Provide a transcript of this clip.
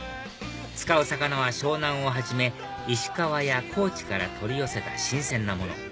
使う魚は湘南をはじめ石川や高知から取り寄せた新鮮なもの